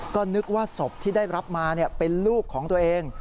ก็นึกว่าศพที่ได้รับมาเป็นลูกของตัวเอง